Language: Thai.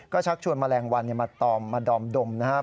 ก็ชักชวนแมลงวันมาตอมมาดอมดมนะครับ